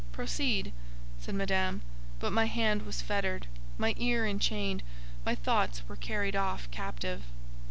"Proceed," said Madame; but my hand was fettered, my ear enchained, my thoughts were carried off captive.